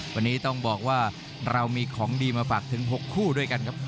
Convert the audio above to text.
วันนี้ต้องบอกว่าเรามีของดีมาฝากถึง๖คู่ด้วยกันครับ